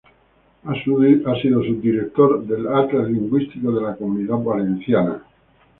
Ha sido subdirector del Atlas Lingüístico de la Comunidad Valenciana.